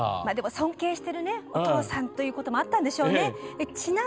尊敬しているお父さんということもあったんでしょうね。